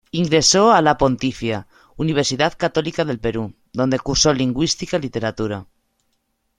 Ingresó a la Pontificia Universidad Católica del Perú, donde cursó lingüística y literatura.